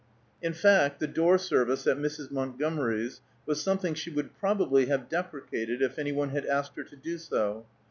In fact, the door service at Mrs. Montgomery's was something she would probably have deprecated if any one had asked her to do so.